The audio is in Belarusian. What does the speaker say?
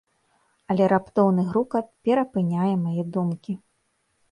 Але раптоўны грукат перапыняе мае думкі.